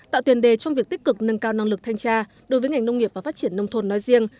tạo tiền đề trong việc tích cực nâng cao năng lực thanh tra đối với ngành nông nghiệp và phát triển nông thôn nói riêng